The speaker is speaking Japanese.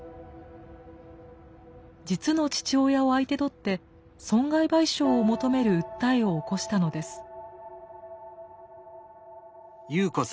実の父親を相手取って損害賠償を求める訴えを起こしたのです。